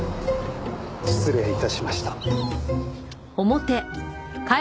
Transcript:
失礼致しました。